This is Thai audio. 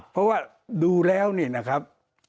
เพราะว่าดูแล้วเนี่ยนะครับ